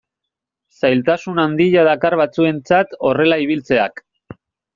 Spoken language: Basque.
Zailtasun handia dakar batzuentzat horrela ibiltzeak.